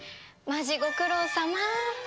マジご苦労さま。